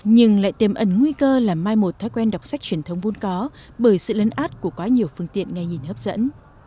nhưng lại tiềm ẩn nguy cơ là mai một thói quen đọc sách truyền thống vun có bởi sự lấn át của quá nhiều phương tiện nghe nhìn hấp dẫn